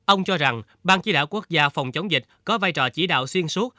ông cho rằng ban chỉ đạo quốc gia phòng chống dịch có vai trò chỉ đạo xuyên suốt